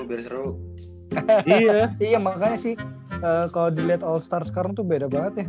iya makanya sih kalau dilihat all star sekarang tuh beda banget ya